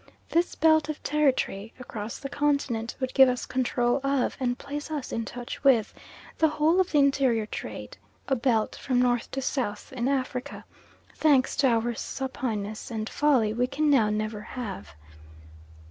This belt of territory across the continent would give us control of, and place us in touch with, the whole of the interior trade. A belt from north to south in Africa thanks to our supineness and folly we can now never have.